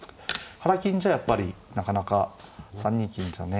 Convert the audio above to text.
腹金じゃやっぱりなかなか３二金じゃあね。